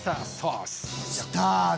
スターだ！